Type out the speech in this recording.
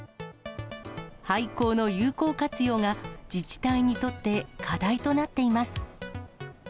廃校の有効活用が自治体にとって課題となっています。